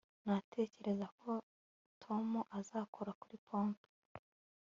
Natekerezaga ko Tom azakora kuri pompe